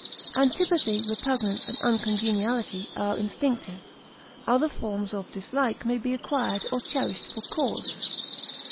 detestation, Antipathy, repugnance, and uncongeniality are instinctive; other forms of dislike may be acquired or cherished for cause.